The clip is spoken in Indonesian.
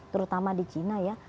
terutama di china ya